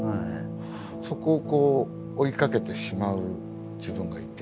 そこをこう追いかけてしまう自分がいて。